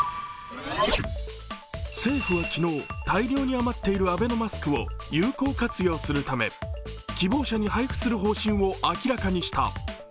政府は昨日、大量に余っているアベノマスクを有効活用するため、希望者に配布する方針を明らかにした。